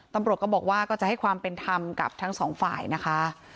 ตำรวจก็บอกว่าก็จะให้ความเป็นธรรมกับทั้งสองฝ่ายนะคะ